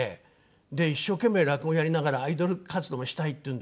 で一生懸命落語やりながらアイドル活動もしたいっていうんで。